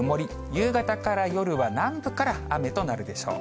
夕方から夜は南部から雨となるでしょう。